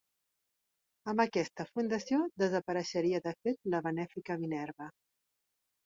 Amb aquesta fundació desapareixeria de fet la Benèfica Minerva.